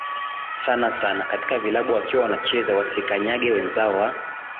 sana sana katika vilabu wakiwa wanacheza wasikanyange wenzao wa